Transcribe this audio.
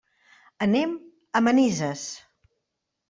Anem a Manises.